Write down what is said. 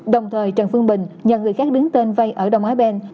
đồng thời trần phương bình nhờ người khác đứng tên vai ở đồng á ben